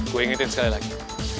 gue ingetin sekali lagi